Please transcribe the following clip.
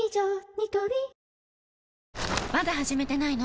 ニトリまだ始めてないの？